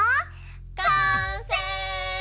完成！